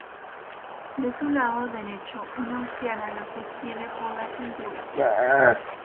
De su lado derecho, una anciana lo sostiene por la cintura.